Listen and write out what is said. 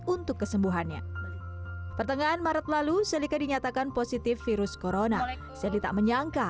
untuk kesembuhannya pertengahan maret lalu selika dinyatakan positif virus corona selly tak menyangka